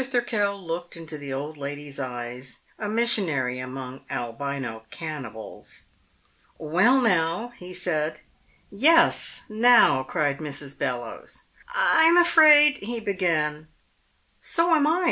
Thirkell looked into the old ladies' eyes, a missionary among albino cannibals. "Well, now," he said. "Yes, now!" cried Mrs. Bellowes. "I'm afraid " he began. "So am I!"